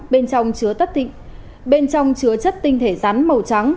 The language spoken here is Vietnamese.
bên trong chứa chất tinh thể rắn màu trắng